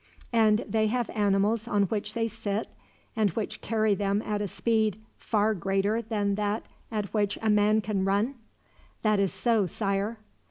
"And they have animals on which they sit, and which carry them at a speed far greater than that at which a man can run?" "That is so, Sire."